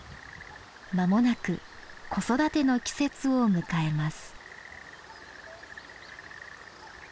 まもなく子育ての季節を迎えます。